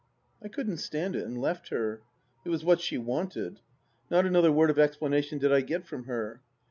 I couldn't stand it, and left her. It was what she wanted. Not another word of explanation did I get from her.